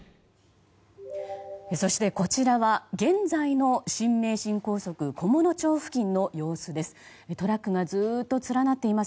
そして、こちらは現在の新名神高速菰野町付近の様子です。